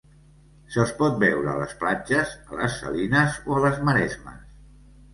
Se'ls pot veure a les platges, a les salines o a les maresmes.